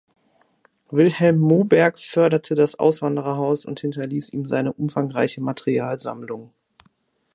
Vilhelm Moberg förderte das Auswandererhaus und hinterließ ihm seine umfangreiche Materialsammlung.